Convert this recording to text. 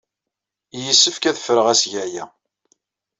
Yessefk ad ffreɣ asga-a.